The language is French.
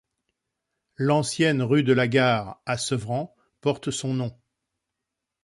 L'ancienne rue de la Gare à Sevran porte son nom.